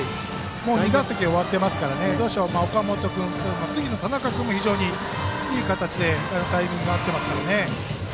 ２打席終わってますから岡本君次の田中君も非常にいい形でタイミングが合ってますからね。